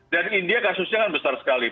dan india kasusnya kan besar sekali